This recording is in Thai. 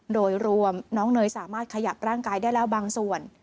โดยรวมน้องเนยสามารถขยับร่างกายได้แล้วบางส่วน